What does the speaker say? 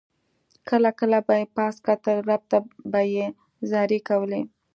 کله کله به یې پاس کتل رب ته به یې زارۍ کولې.